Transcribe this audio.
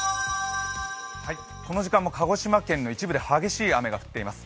この時間も鹿児島県の一部で激しい雨が降っています。